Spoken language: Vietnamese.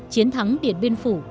chiến thắng điện biên phủ